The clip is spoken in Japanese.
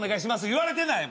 言われてない。